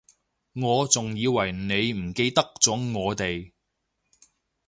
我仲以為你唔記得咗我哋